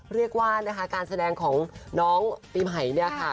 เรียกว่านะคะการแสดงของน้องปีใหม่เนี่ยค่ะ